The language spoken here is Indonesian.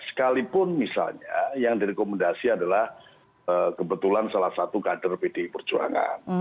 sekalipun misalnya yang direkomendasi adalah kebetulan salah satu kader pdi perjuangan